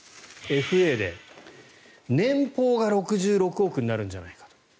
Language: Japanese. ＦＡで年俸が６６億になるんじゃないかと。